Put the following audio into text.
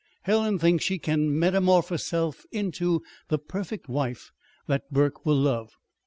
Helen thinks she can metamorphose herself into the perfect wife that Burke will love.